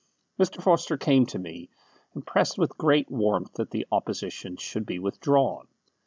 Mr. Forster came to me, and pressed with great warmth that the opposition should be withdrawn.